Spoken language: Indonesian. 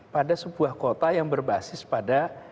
pada sebuah kota yang berbasis pada